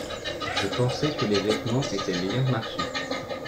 Je pensais que les vêtements étaient meilleur marché.